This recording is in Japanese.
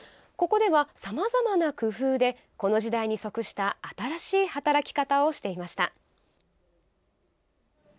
ここでは、さまざまな工夫でこの時代に即した新しい働き方をしていました。